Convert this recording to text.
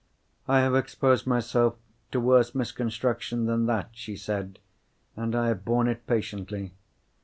"I have exposed myself to worse misconstruction than that," she said. "And I have borne it patiently.